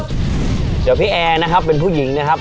เดี๋ยวพี่แอร์นะครับเป็นผู้หญิงนะครับ